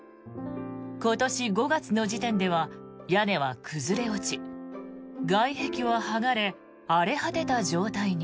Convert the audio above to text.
今年５月の時点では屋根は崩れ落ち外壁は剥がれ荒れ果てた状態に。